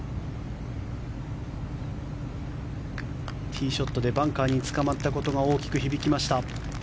ティーショットでバンカーにつかまったことが大きく響きました。